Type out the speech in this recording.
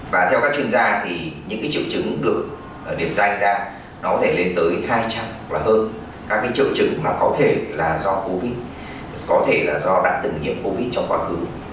và theo các chuyên gia thì những triệu chứng được điểm danh ra nó có thể lên tới hai trăm linh hoặc hơn các triệu chứng có thể là do covid có thể là do đã từng nhiễm covid trong quá khứ